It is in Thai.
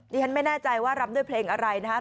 ฉันไม่แน่ใจว่ารำด้วยเพลงอะไรนะครับ